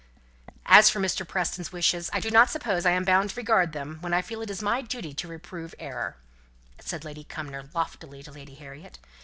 "As for Mr. Preston's wishes, I do not suppose I am bound to regard them when I feel it my duty to reprove error," said Lady Cumnor loftily to Lady Harriet.